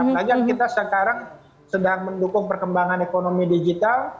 makanya kita sekarang sedang mendukung perkembangan ekonomi digital